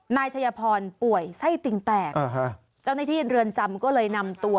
นายชัยพรป่วยไส้ติ่งแตกเจ้าหน้าที่เรือนจำก็เลยนำตัว